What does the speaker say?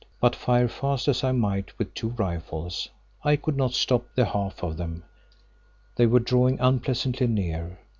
But fire fast as I might with two rifles, I could not stop the half of them—they were drawing unpleasantly near.